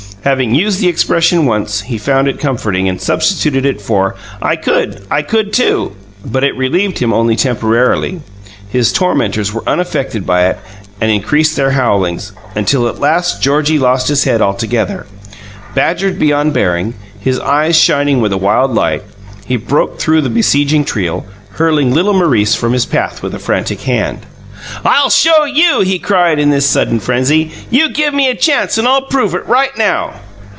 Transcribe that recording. Having used the expression once, he found it comforting, and substituted it for: "I could! I could, too!" But it relieved him only temporarily. His tormentors were unaffected by it and increased their howlings, until at last Georgie lost his head altogether. Badgered beyond bearing, his eyes shining with a wild light, he broke through the besieging trio, hurling little Maurice from his path with a frantic hand. "I'll show you!" he cried, in this sudden frenzy. "You give me a chance, and I'll prove it right NOW!"